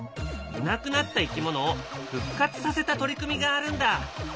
いなくなった生き物を復活させた取り組みがあるんだ。